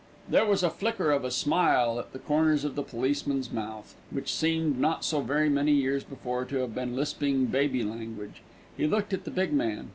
There was a flicker of a smile at the corners of the policeman's mouth, which seemed not so very many years before to have been lisping baby language. He looked at the big man.